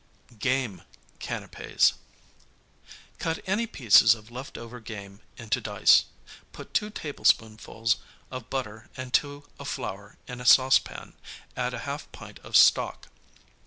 Game Canapķs Cut any pieces of left over game into dice. Put two tablespoonfuls of butter and two of flour in a saucepan, add a half pint of stock.